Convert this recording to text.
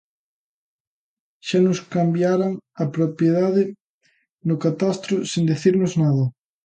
Xa nos cambiaran a propiedade no catastro sen dicirnos nada.